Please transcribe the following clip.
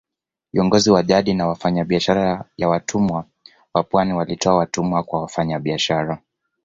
Viongozi wa jadi na wafanyabiashara ya watumwa wa pwani walitoa watumwa kwa wafanyabiashara